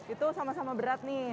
itu sama sama berat nih